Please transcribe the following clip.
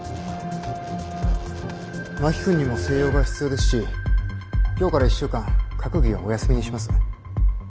真木君にも静養が必要ですし今日から１週間閣議はお休みにします。